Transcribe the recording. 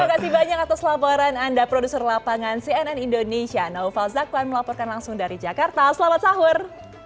terima kasih banyak atas laporan anda produser lapangan cnn indonesia naufal zakwan melaporkan langsung dari jakarta selamat sahur